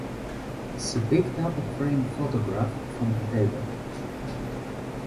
She picked up a framed photograph from the table.